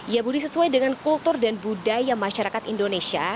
ya budi sesuai dengan kultur dan budaya masyarakat indonesia